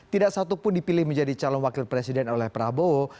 tidak satupun dipilih menjadi calon wakil presiden oleh prabowo